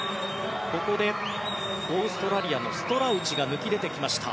オーストラリアのストラウチが抜けてきました。